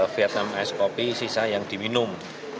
vietnam ice kopi sisa yang diminum